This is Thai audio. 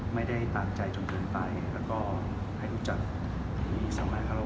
ไม่ได้ตามใจจนเกินไปแล้วก็ให้รู้จักสมัยธรรมวัฒน์